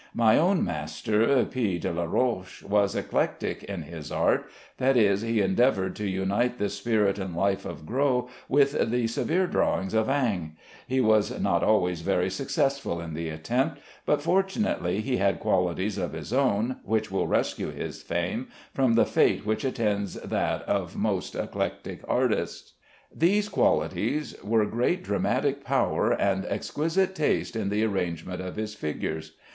My own master, P. Delaroche, was eclectic in his art; that is, he endeavored to unite the spirit and life of Gros with the severe drawing of Ingres. He was not always very successful in the attempt, but fortunately he had qualities of his own which will rescue his fame from the fate which attends that of most eclectic artists. These qualities were great dramatic power and exquisite taste in the arrangement of his figures.